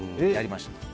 やりました。